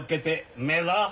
うめえぞ。